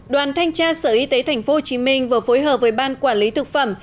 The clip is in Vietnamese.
đoàn thanh tra sở y tế tp hcm vừa phối hợp với ban quản lý thực phẩm